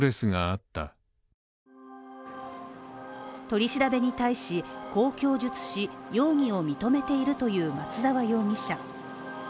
取り調べに対し、こう供述し、容疑を認めているという松沢容疑者。